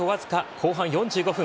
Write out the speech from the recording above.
後半４５分。